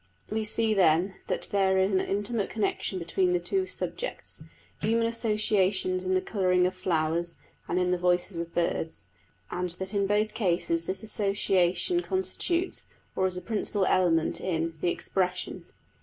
We see, then, that there is an intimate connection between the two subjects human associations in the colouring of flowers and in the voices of birds; and that in both cases this association constitutes, or is a principal element in, the expression.